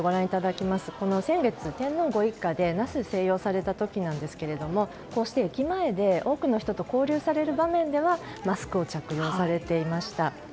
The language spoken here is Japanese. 天皇ご一家で那須に静養された時なんですけどこうして駅前で多くの人と交流される場面ではマスクを着用されていました。